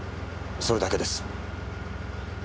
それだけです。